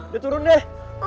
ya turun deh